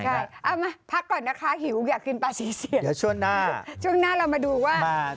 เอาไหมลึกพักก่อนนะคะอยากกินปลาเหี่ยวช่วงหน้าเราดูว่า